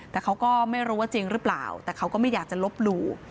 แต่เขาก็ไม่รู้ว่าจริงหรือเปล่าแต่เขาก็ไม่อยากจะลบหลู่